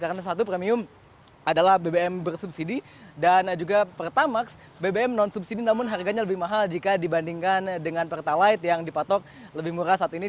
karena satu premium adalah bbm bersubsidi dan juga pertamax bbm non subsidi namun harganya lebih mahal jika dibandingkan dengan pertalite yang dipatok lebih murah saat ini